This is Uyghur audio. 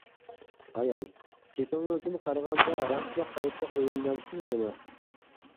ئايال: گېپىڭىزدىن قارىغاندا راستلا قايتا ئۆيلىنەمسىز نېمە؟ !